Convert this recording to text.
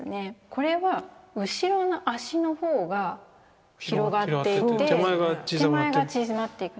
これは後ろの脚の方が広がっていて手前が縮まっていって。